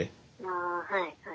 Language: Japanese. ああはいはい。